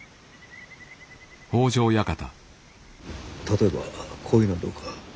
例えばこういうのはどうか。